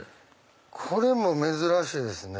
これも珍しいですね。